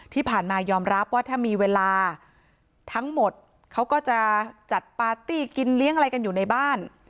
ที่ผ่านมายอมรับว่าถ้ามีเวลาทั้งหมดเขาก็จะจัดปาร์ตี้กินเลี้ยงอะไรกันอยู่ในบ้าน